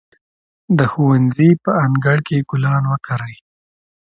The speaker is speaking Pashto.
د ښوونځي په انګړ کې ګلان وکرئ.